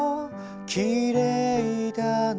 「きれいだな」